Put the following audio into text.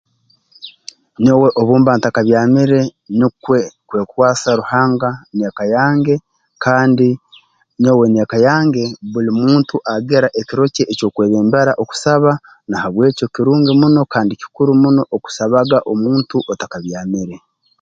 Nyowe obu mba ntakabyamire nukwe kwekwasa Ruhanga n'ęka yange kandi nyowe n'eka yange buli muntu agira ekiro kye eky'okwebembera okusaba na habw'ekyo kirungi muno kandi kikuru muno okusabaga omuntu otakabyamire